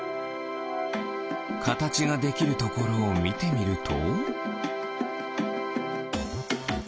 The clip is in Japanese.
かたちができるところをみてみると。